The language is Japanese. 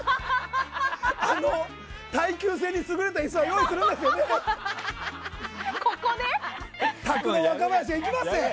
あの耐久性に優れた椅子は用意するんですよね？